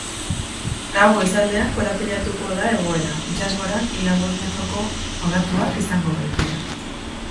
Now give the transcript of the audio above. Gaur goizaldean korapilatuko da egoera, itsasgoran ia bost metroko olatuak izango baitira.